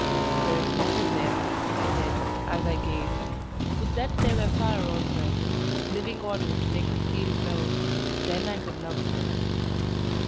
"There is metal there," I said, as I gazed. "Would that there were fire also, living ardour to make the steel glow then I could love her."